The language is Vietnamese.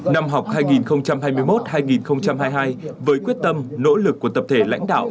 năm học hai nghìn hai mươi một hai nghìn hai mươi hai với quyết tâm nỗ lực của tập thể lãnh đạo